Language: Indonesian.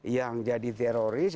yang jadi teroris